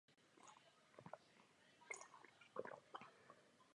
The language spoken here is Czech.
Senna zajel i nejrychlejší kolo.